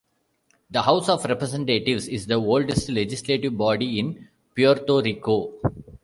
The House of Representatives is the oldest legislative body in Puerto Rico.